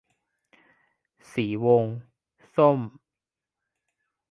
สีวง : ส้ม